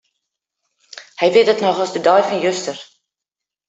Hy wit it noch as de dei fan juster.